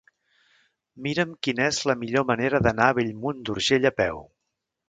Mira'm quina és la millor manera d'anar a Bellmunt d'Urgell a peu.